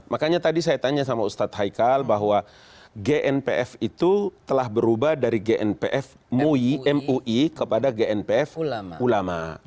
makanya tadi saya tanya sama ustadz haikal bahwa gnpf itu telah berubah dari gnpf mui mui kepada gnpf ulama